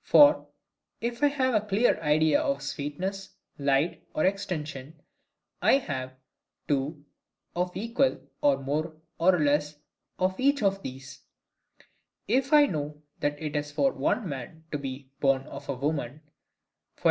For, if I have a clear idea of sweetness, light, or extension, I have, too, of equal, or more, or less, of each of these: if I know what it is for one man to be born of a woman, viz.